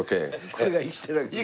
これが生きてるわけでしょ。